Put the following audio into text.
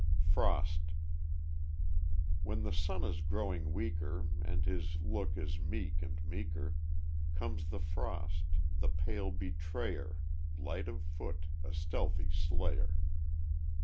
Frost When the sun is growing weaker, And his look is meek and meeker, Comes the frost the pale betrayer Light of foot, a stealthy slayer.